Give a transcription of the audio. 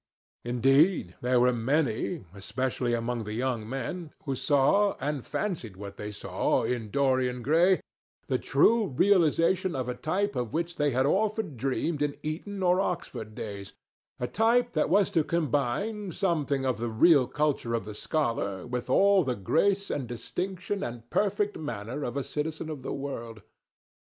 Indeed, there were many, especially among the very young men, who saw, or fancied that they saw, in Dorian Gray the true realization of a type of which they had often dreamed in Eton or Oxford days, a type that was to combine something of the real culture of the scholar with all the grace and distinction and perfect manner of a citizen of the world.